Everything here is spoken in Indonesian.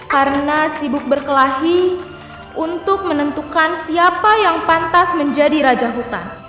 karena sibuk berkelahi untuk menentukan siapa yang pantas menjadi raja utan